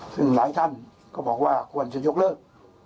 ซึ่งหลายท่านก็บอกว่าควรจะยกเลิก